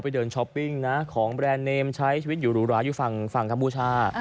เดินช้อปปิ้งนะของแบรนด์เนมใช้ชีวิตอยู่หรูหราอยู่ฝั่งกัมพูชา